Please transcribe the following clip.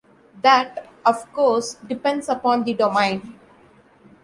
That, of course, depends upon the domain.